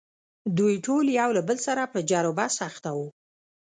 دوی ټول یو له بل سره په جر و بحث اخته وو.